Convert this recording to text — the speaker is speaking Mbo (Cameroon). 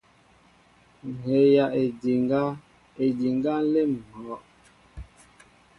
Ŋhɛjaʼédiŋga, édiŋga nlém ŋhɔʼ.